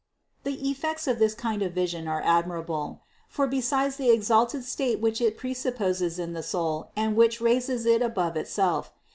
The effects of this kind of vision are admirable, for besides the exalted state which it presupposes in the soul and which raises it above itself (Thren.